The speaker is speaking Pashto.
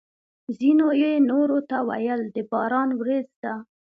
ځینو یې نورو ته ویل: د باران ورېځ ده!